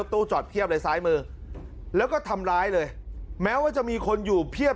ตู้จอดเพียบเลยซ้ายมือแล้วก็ทำร้ายเลยแม้ว่าจะมีคนอยู่เพียบ